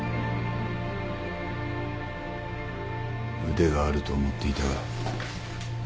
腕があると思っていたが。